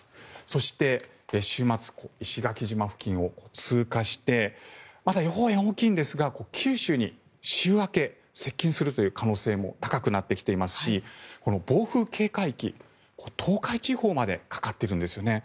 そして、週末石垣島付近を通過してまだ予報円は大きいんですが九州に週明け接近するという可能性も高くなってきていますし暴風警戒域、東海地方までかかってるんですよね。